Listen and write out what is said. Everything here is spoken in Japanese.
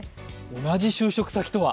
同じ就職先とは。